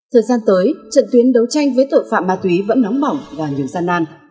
thời gian tới trận tuyến đấu tranh với tội phạm ma túy vẫn nóng bỏng và nhiều gian nan